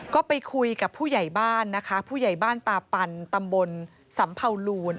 ก็ไปคุยกับผู้ใหญ่บ้านนะคะผู้ใหญ่บ้านตาปันตำบลสำเภาลูน